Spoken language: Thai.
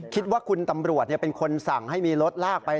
คิดว่าคุณตำรวจเป็นคนสั่งให้มีรถลากไป